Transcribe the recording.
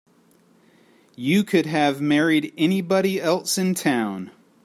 You could have married anybody else in town.